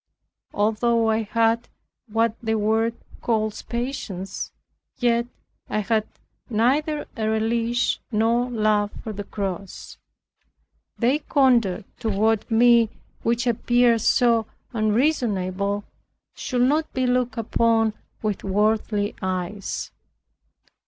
Although I had what the world calls patience, yet I had neither a relish nor love for the cross. Their conduct toward me, which appeared so unreasonable, should not be looked upon with worldly eyes.